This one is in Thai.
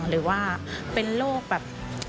หรือว่าเป็นโรคแบบ